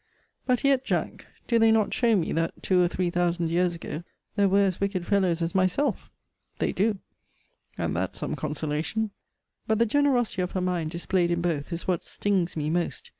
But yet, Jack, do they not show me, that, two or three thousand years ago, there were as wicked fellows as myself? They do and that's some consolation. But the generosity of her mind displayed in both, is what stings me most.